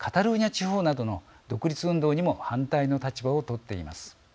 地方などの独立運動にも反対の立場をとっています。